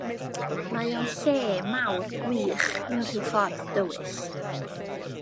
Mae o'n lle mawr gwych mewn rhyw ffordd dywyll.